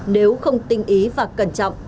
nếu không tinh ý và cẩn trọng